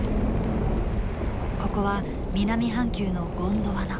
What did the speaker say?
ここは南半球のゴンドワナ。